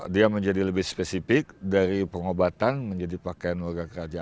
dia menjadi lebih spesifik dari pengobatan menjadi pakaian warga kerajaan